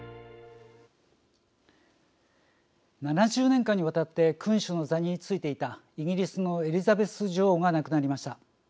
７０年間にわたって君主の座についていたイギリスのエリザベス女王が亡くなりました。